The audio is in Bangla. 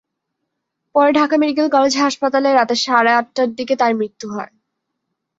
পরে ঢাকা মেডিকেল কলেজ হাসপাতালে রাত সাড়ে চারটার দিকে তাঁর মৃত্যু হয়।